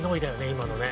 今のね。